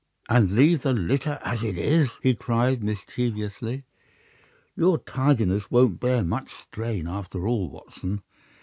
"And leave the litter as it is?" he cried, mischievously. "Your tidiness won't bear much strain after all, Watson.